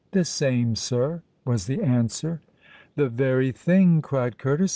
"The same, sir," was the answer. "The very thing!" cried Curtis.